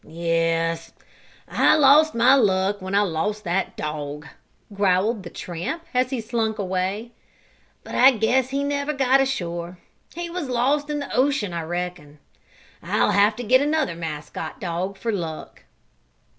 "Yes, I lost my luck when I lost that dog," growled the tramp, as he slunk away. "But I guess he never got ashore. He was lost in the ocean, I reckon. I'll have to get another mascot dog for luck."